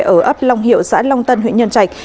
ở ấp long hiệu xã long tân huyện nhân trạch